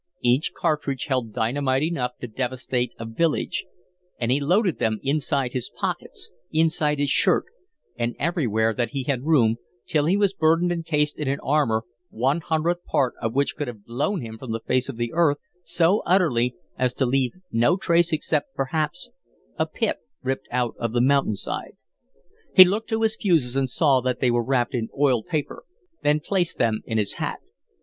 Each cartridge held dynamite enough to devastate a village, and he loaded them inside his pockets, inside his shirt, and everywhere that he had room, till he was burdened and cased in an armor one hundredth part of which could have blown him from the face of the earth so utterly as to leave no trace except, perhaps, a pit ripped out of the mountain side. He looked to his fuses and saw that they were wrapped in oiled paper, then placed them in his hat.